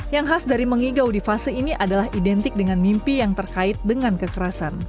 yang khas dari mengigau di fase ini adalah identik dengan mimpi yang terkait dengan kekerasan